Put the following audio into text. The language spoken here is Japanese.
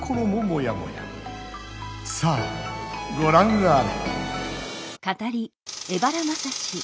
さあごらんあれ！